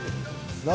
何？